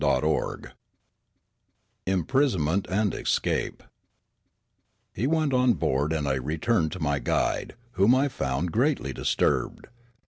CHAPTER XIII IMPRISONMENT AND ESCAPE HE went on board and I returned to my guide, whom I found greatly disturbed.